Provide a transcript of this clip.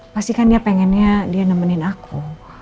pasti kan dia pengennya dia nemenin aku